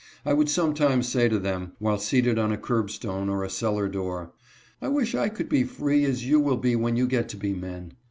I would sometimes say to them, while seated on a curbstone or a cellar door, " I wish I could be free, as you will be when you get to be men."